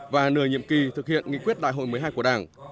và nửa nhiệm kỳ thực hiện nghị quyết đại hội một mươi hai của đảng